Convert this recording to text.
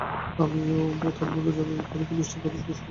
আমিও তার বন্ধু, এবং আমি যথারীতি তোমার বিষ্ঠা পরিষ্কার করছি।